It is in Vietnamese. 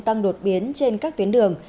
tăng đột biến trên các tuyến đường